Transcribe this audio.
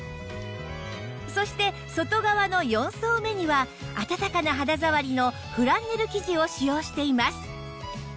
そして外側の４層目には暖かな肌ざわりのフランネル生地を使用しています